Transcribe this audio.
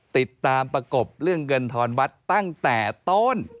ติดตามประกบเรื่องเงินทอนวัดตั้งแต่ต้น